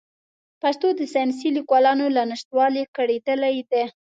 پښتو د ساینسي لیکوالانو له نشتوالي کړېدلې ده.